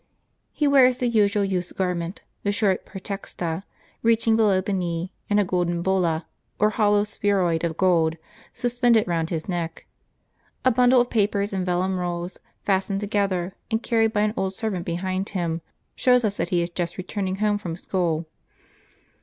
He wears the usual youth's garment, the short 2^'<xtexta, reaching below the knee, and a golden bulla, or hollow spheroid of gold suspended round his neck. A bundle of papers and vellum rolls fastened together, and carried by an old servant behind him, shows us that he is just returning home from school.